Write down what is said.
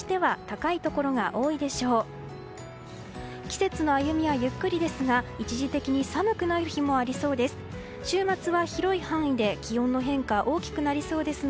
季節の歩みはゆっくりですが一時的に寒くなる日もありそうです。